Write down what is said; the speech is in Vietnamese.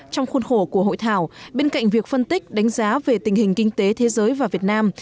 trong khuôn khổ của hội thảo bên cạnh việc phân tích đánh giá về tình hình kinh tế thế giới và việt nam